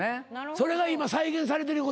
それが今再現されてるいうことやな。